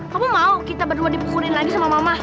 kamu mau kita berdua dipukulin lagi sama mama